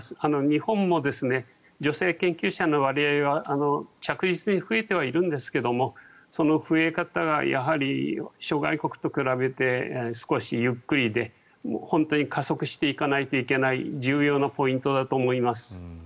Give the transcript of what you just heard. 日本も女性研究者の割合は着実に増えてはいるんですがその増え方がやはり諸外国と比べて少しゆっくりで本当に加速していかないといけない重要なポイントだと思います。